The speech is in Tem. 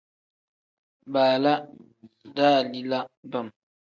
Baala dalila bam.